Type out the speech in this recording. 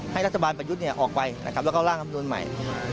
ให้รัฐบาลประยุทธ์ออกไปแล้วก็ร่างคำนวณใหม่